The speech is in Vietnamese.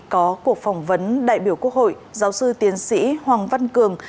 có cuộc phỏng vấn đại biểu quốc hội giáo sư tiến sĩ hoàng văn cường